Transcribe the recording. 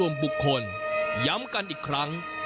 บุคคลย้ำกันอีกครั้ง